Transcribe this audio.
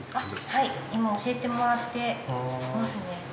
はい今教えてもらってますね。